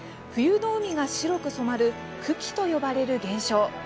冬の海が白く染まる群来と呼ばれる現象。